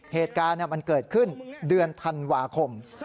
เหตุการณ์มันเกิดขึ้นเดือนธันวาคม